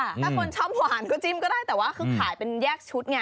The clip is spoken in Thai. ถ้าคนชอบหวานก็จิ้มก็ได้แต่ว่าคือขายเป็นแยกชุดไง